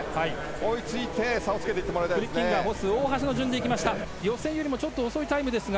追いついて、差をつけていってもらいたいですね。